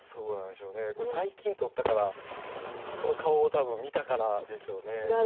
最近、撮ったからその顔を多分見たからでしょうね。